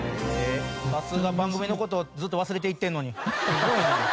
さすが番組の事をずっと忘れていってるのに。